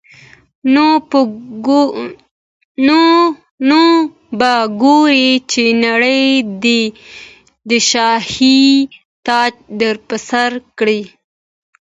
نو به ګورې چي نړۍ دي د شاهي تاج در پرسر کي